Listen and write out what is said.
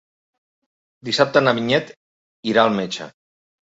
Dissabte na Vinyet irà al metge.